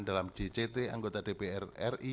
dalam dct anggota dpr ri